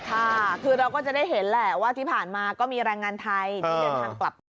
ค่ะคือเราก็จะได้เห็นแหละว่าที่ผ่านมาก็มีแรงงานไทยที่เดินทางกลับ